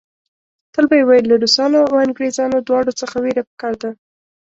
تل به یې ویل له روسانو او انګریزانو دواړو څخه وېره په کار ده.